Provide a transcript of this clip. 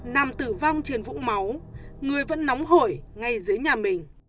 nằm tử vong trên vũ máu người vẫn nóng hổi ngay dưới nhà mình